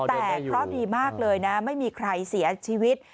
แต่เคราะห์ดีมากเลยนะไม่มีใครเสียชีวิต